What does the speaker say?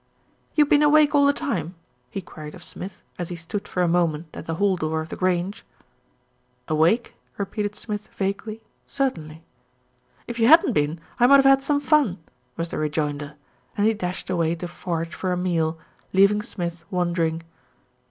"You been awake all the time?" he queried of Smith, as he stood for a moment at the hall door of The Grange. "Awake," repeated Smith vaguely, "certainly." "If you hadn't been, I might have had some fun," was the rejoinder, and he dashed away to forage for a meal, leaving Smith wondering.